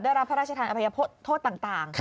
ได้รับพระราชทานอภัยโทษต่าง